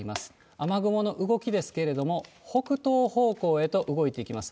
雨雲の動きですけれども、北東方向へと動いていきます。